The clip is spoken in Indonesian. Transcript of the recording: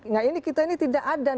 nah ini kita ini tidak adan